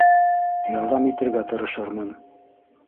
Ярҙам итергә тырышырмын.